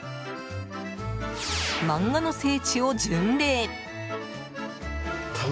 漫画の聖地を巡礼。